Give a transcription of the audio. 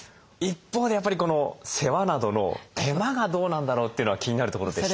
一方でやっぱり世話などの手間がどうなんだろうってのは気になるところでして。